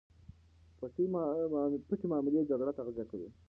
پټې معاملې جګړه تغذیه کوي.